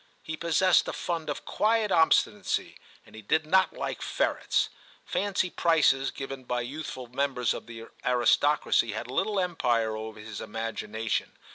He possessed a fund of quiet obstinacy, and he did not like ferrets ; fancy prices given by youthful members of the aristocracy had little empire over his imagina tion.